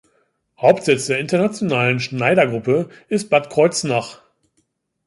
Hauptsitz der internationalen Schneider-Gruppe ist Bad Kreuznach.